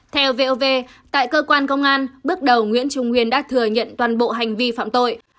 theo vov tại cơ quan công an bước đầu nguyễn trung nguyên đã thừa nhận toàn bộ hành vi phạm tội